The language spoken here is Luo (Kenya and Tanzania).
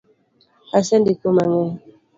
Asendiko mangeny